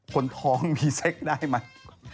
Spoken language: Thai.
ก่อนทองมีเซ็กได้มั้ย